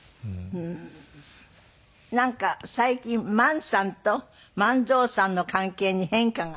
なんか最近萬さんと万蔵さんの関係に変化が。